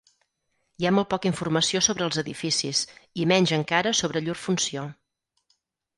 Hi ha molt poca informació sobre els edificis, i menys encara sobre llur funció.